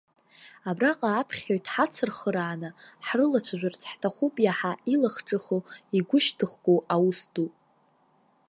Абраҟа аԥхьаҩ, дҳацырхырааны, ҳрылацәажәарц ҳҭахуп иаҳа илахҿыху, игәышьҭыхгоу аус ду.